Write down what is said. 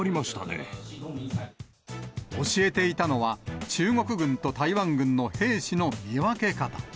教えていたのは、中国軍と台湾軍の兵士の見分け方。